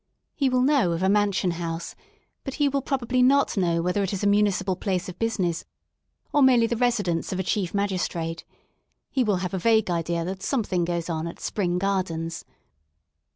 He will know of a Mansion House, but he will probably not know whether it is a municipal place of business or merely the residence of a chief magistrate ; he will have a vague idea that something goes on at Spring Gardens.